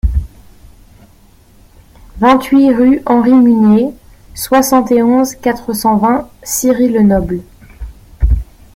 vingt-huit rue Henri Mugnier, soixante et onze, quatre cent vingt, Ciry-le-Noble